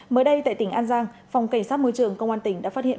mới đây tại tỉnh an giang phòng cảnh sát môi trường công an tỉnh đã phát hiện